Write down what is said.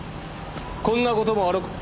こんな事もあろうかと。